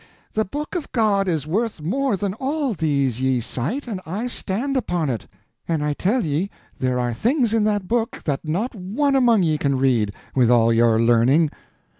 The Book of God is worth more than all these ye cite, and I stand upon it. And I tell ye there are things in that Book that not one among ye can read, with all your learning!"